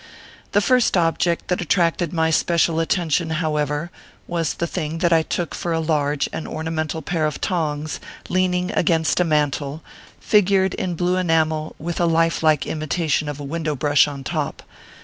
The first object that attracted my special attention, however, was a thing that I took for a large and or namental pair of tongs leaning against a mantel, figured in blue enamel, with a life like imitation of a window brush on top.